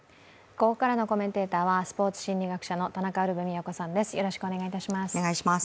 ここからのコメンテーターはスポーツ心理学者の田中ウルヴェ京さんです。